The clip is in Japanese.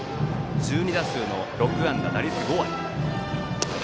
１２打数６安打、打率５割。